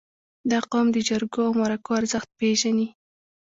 • دا قوم د جرګو او مرکو ارزښت پېژني.